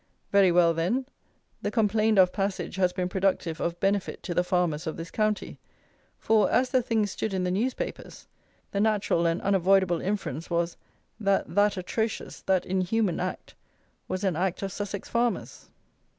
] Very well, then, the complained of passage has been productive of benefit to the farmers of this county; for, as the thing stood in the newspapers, the natural and unavoidable inference was, that that atrocious, that inhuman act, was an act of Sussex farmers."